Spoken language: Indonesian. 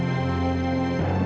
gak ada apa apa